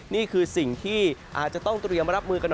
นี่คือสิ่งที่อาจจะต้องเตรียมรับมือกันหน่อย